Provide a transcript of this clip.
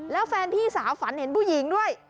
แล้วแฟนพี่สาวฝันเห็นผู้หญิงด้วย